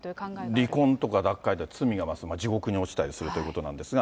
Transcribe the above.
離婚とか脱会で罪が増す、地獄に落ちたりするということなんですが。